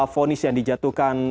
vonis yang dijatuhkan